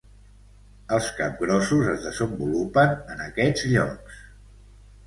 Els capgrossos es desenvolupen en aquests llocs.